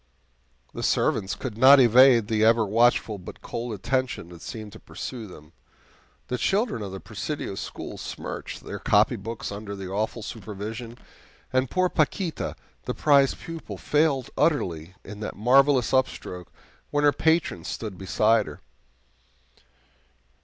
The servants could not evade the ever watchful but cold attention that seemed to pursue them. The children of the Presidio school smirched their copybooks under the awful supervision, and poor Paquita, the prize pupil, failed utterly in that marvelous upstroke when her patron stood beside her.